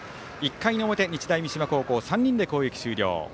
１回の表日大三島高校、３人で攻撃終了。